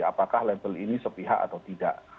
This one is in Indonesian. apakah label ini sepihak atau tidak